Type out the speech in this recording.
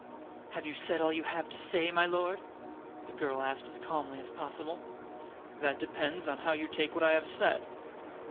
"Have you said all you had to say, my lord?" the girl asked as calmly as possible. "That depends upon how you take what I have said.